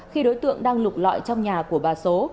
khi đối tượng đang lục lọi trong nhà của bà số